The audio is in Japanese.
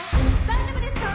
・大丈夫ですか？